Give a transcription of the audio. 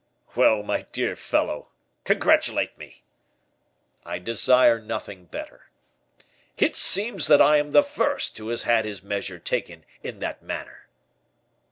"Well, my dear fellow, congratulate me." "I desire nothing better." "It seems that I am the first who has had his measure taken in that manner."